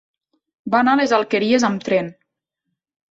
Va anar a les Alqueries amb tren.